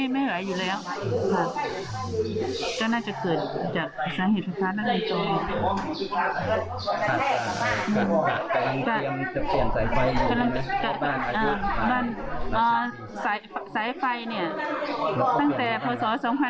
มันสายไฟตั้งแต่พศ๒๕๒๖